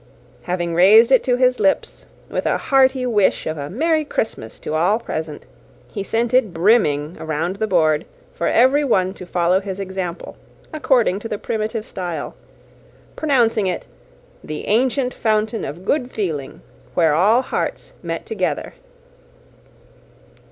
Having raised it to his lips, with a hearty wish of a merry Christmas to all present, he sent it brimming, around the board, for every one to follow his example, according to the primitive style; pronouncing it "the ancient fountain of good feeling, where all hearts met together."